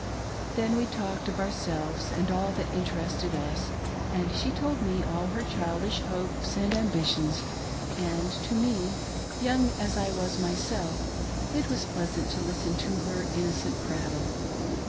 Then we talked of ourselves and all that interested us, and she told me all her childish hopes and ambitions ; and to me — young as I was myself — it was pleasant to listen to her in nocent prattle.